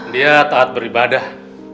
dia taat beribadah